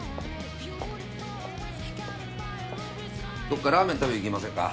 どっかラーメン食べに行きませんか？